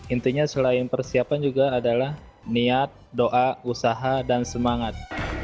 intinya selain persiapan juga adalah niat doa usaha dan semangat